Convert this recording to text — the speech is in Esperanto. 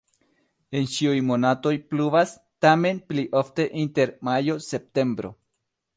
En ĉiuj monatoj pluvas, tamen pli ofte inter majo-septembro.